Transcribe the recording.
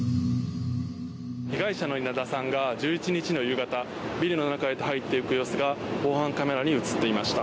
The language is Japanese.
被害者の稲田さんが１１日の夕方ビルの中へと入っていく様子が防犯カメラに映っていました。